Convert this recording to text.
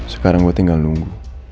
sekarang gua tinggal nunggu